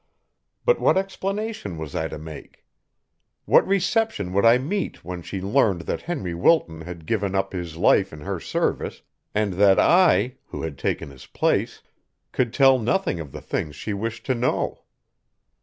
But what explanation was I to make? What reception would I meet when she learned that Henry Wilton had given up his life in her service, and that I, who had taken his place, could tell nothing of the things she wished to know?